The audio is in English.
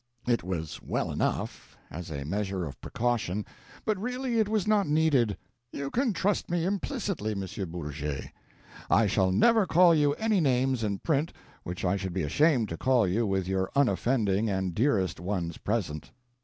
It was well enough, as a measure of precaution, but really it was not needed. You can trust me implicitly, M. Bourget; I shall never call you any names in print which I should be ashamed to call you with your unoffending and dearest ones present.